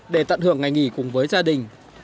để tận hưởng ngày nghỉ cùng với gia đình